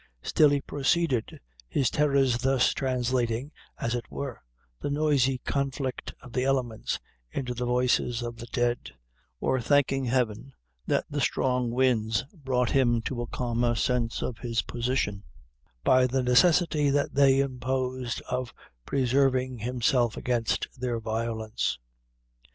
Still he proceeded, his terrors thus translating, as it were, the noisy conflict of the elements into the voices of the dead, or thanking Heaven that the strong winds brought him to a calmer sense of his position, by the necessity that they imposed of preserving himself against their violence.